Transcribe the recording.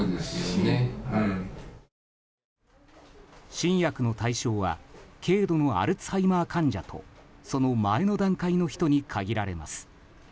新薬の対象は軽度のアルツハイマー患者とその前の段階の人に限られます。